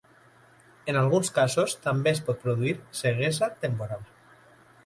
En alguns casos també es pot produir ceguesa temporal.